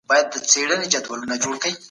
د خوږو پر ځای مېوې وکاروئ.